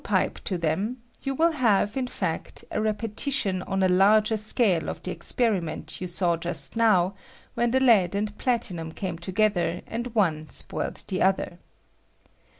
pipe to them, you will have, in feet, a repetition on a larger scale of the experiment you saw just now when the lead and platinum came together, and one spoiled the other.